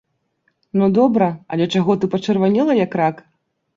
Ну, добра, але чаго ты пачырванела як рак!